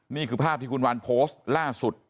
นี่คือภาพที่คุณวันโพสต์ล่าสุด